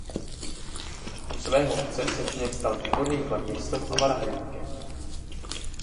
U svého otce se Čeněk stal výborným klavíristou a varhaníkem.